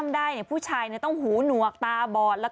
คุณสามารถเป็นผู้ชายต้องหูหนวกตาบอด